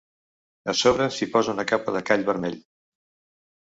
A sobre s'hi posa una capa de call vermell.